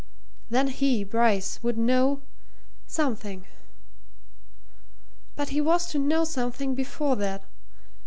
Then he, Bryce, would know something. But he was to know something before that.